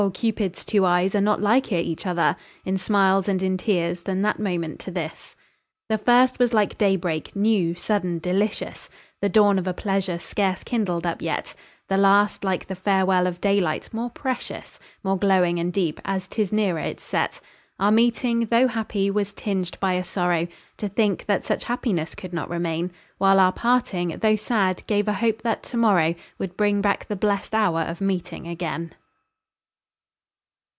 Cupid's two eyes are not liker each other In smiles and in tears than that moment to this. The first was like day break, new, sudden, delicious, The dawn of a pleasure scarce kindled up yet; The last like the farewell of daylight, more precious, More glowing and deep, as 'tis nearer its set. Our meeting, tho' happy, was tinged by a sorrow To think that such happiness could not remain; While our parting, tho' sad, gave a hope that to morrow Would bring back the blest hour of meeting again.